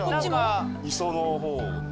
磯の方。